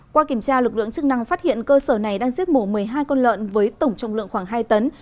qua kiểm tra lực lượng chức năng phát hiện cơ sở này đang giết mổ một mươi hai con lợn với tổng trọng lượng khoảng hai tấn